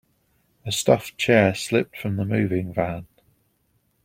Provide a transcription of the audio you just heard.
A stuffed chair slipped from the moving van.